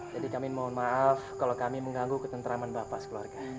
jadi kami mohon maaf kalau kami mengganggu ketentraman bapak sekeluarga